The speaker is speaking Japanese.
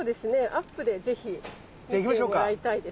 アップで是非見てもらいたいですね。